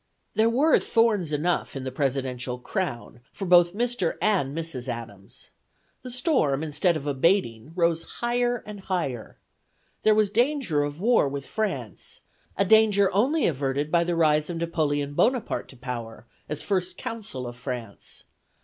There were thorns enough in the presidential "crown," for both Mr. and Mrs. Adams. The storm, instead of abating, rose higher and higher. There was danger of war with France: a danger only averted by the rise of Napoleon Bonaparte to power, as First Consul of France.